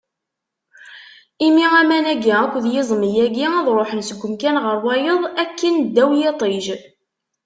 Imi aman-agi akked yiẓmi-agi, ad ruḥen seg umkan ɣer wayeḍ akken ddaw n yiṭij.